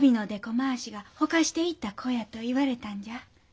廻しがほかしていった子や」と言われたんじゃ。